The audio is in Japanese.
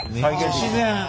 自然！